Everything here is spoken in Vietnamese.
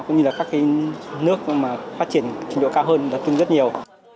cũng như là các cái nước mà phát triển trình độ cao hơn là tương rất nhiều